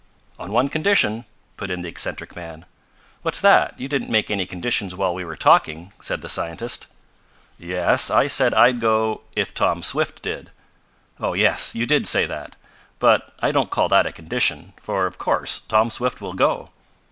"On one condition!" put in the eccentric man. "What's that? You didn't make any conditions while we were talking," said the scientist. "Yes, I said I'd go if Tom Swift did." "Oh, yes. You did say that. But I don't call that a condition, for of course Tom Swift will go.